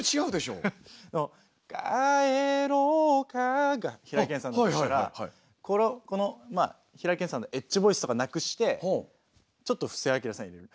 「帰ろうか」が平井堅さんだとしたら平井堅さんのエッジボイスとかなくしてちょっと布施明さんを入れる。